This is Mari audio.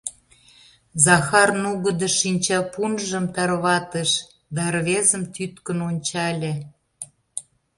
— Захар нугыдо шинчапунжым тарватыш да рвезым тӱткын ончале.